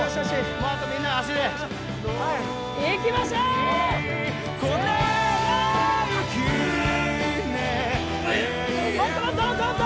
もっともっともっともっと！